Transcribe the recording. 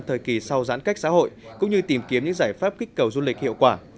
thời kỳ sau giãn cách xã hội cũng như tìm kiếm những giải pháp kích cầu du lịch hiệu quả